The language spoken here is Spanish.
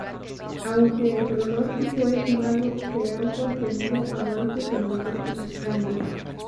Aunque el pronóstico es malo se han conseguido avances en los últimos años.